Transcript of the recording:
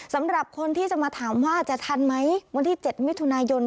สำหรับคนที่จะมาถามว่าจะทันไหมวันที่๗มิถุนายน